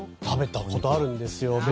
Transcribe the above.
食べたことあるんですよ。